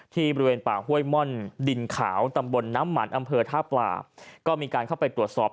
บริเวณป่าห้วยม่อนดินขาวตำบลน้ำมันอำเภอท่าปลาก็มีการเข้าไปตรวจสอบ